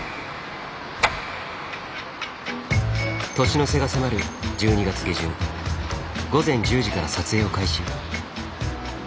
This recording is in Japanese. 年の瀬が迫る１２月下旬午前１０時から撮影を開始。